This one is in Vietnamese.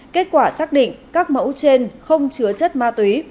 kết quả xác định các mẫu trên không chứa chất ma túy